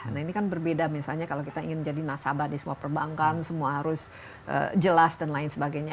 nah ini kan berbeda misalnya kalau kita ingin jadi nasabah di semua perbankan semua harus jelas dan lain sebagainya